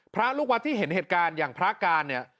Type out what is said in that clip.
พระลูกวัดที่เห็นเหตุการณ์อย่างพระการเนี่ย